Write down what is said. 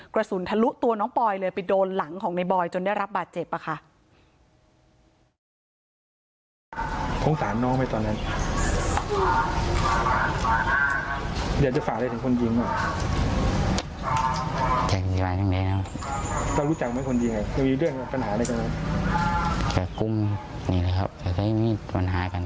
กระสุนทะลุตัวน้องปอยเลยไปโดนหลังของในบอยจนได้รับบาดเจ็บค่ะ